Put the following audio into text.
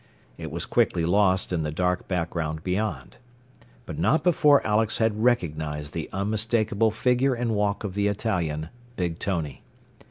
It was quickly lost in the dark background beyond. But not before Alex had recognized the unmistakable figure and walk of the Italian, Big Tony.